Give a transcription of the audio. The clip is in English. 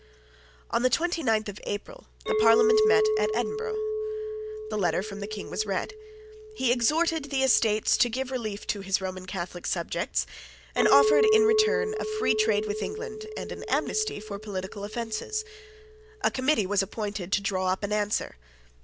On the twenty ninth of April the Parliament met at Edinburgh. A letter from the King was read. He exhorted the Estates to give relief to his Roman Catholic subjects, and offered in return a free trade with England and an amnesty for political offences. A committee was appointed to draw up an answer.